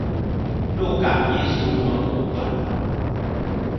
鹿港民俗文物館